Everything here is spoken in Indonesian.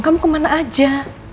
kamu kemana aja